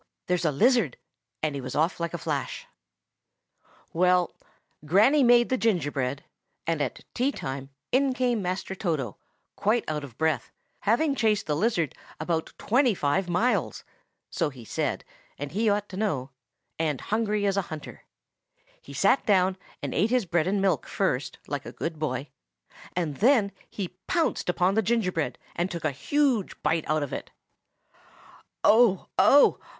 There's a lizard—" and he was off like a flash. "Oh, oh! what a dreadful face he made!" Well, Granny made the gingerbread, and at tea time in came Master Toto, quite out of breath, having chased the lizard about twenty five miles (so he said, and he ought to know), and hungry as a hunter. He sat down, and ate his bread and milk first, like a good boy; and then he pounced upon the gingerbread, and took a huge bite out of it. Oh, oh!